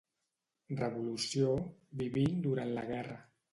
Revolució’, ‘Vivint durant la guerra.